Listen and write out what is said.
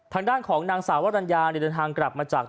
ทางด้านของนางสาววรรณญาเดินทางกลับมาจาก